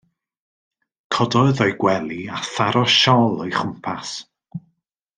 Cododd o'i gwely a tharo siôl o'i chmwpas.